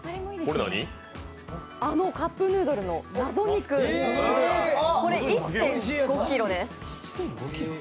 あのカップヌードルの謎肉１．５ｋｇです。